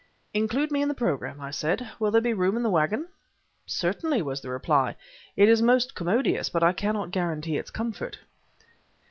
"Include me in the program," I said. "Will there be room in the wagon?" "Certainly," was the reply; "it is most commodious, but I cannot guarantee its comfort."